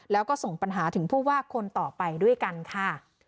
แล้วก็ส่งปัญหาถึงผู้ว่าคนต่อไปด้วยกันค่ะ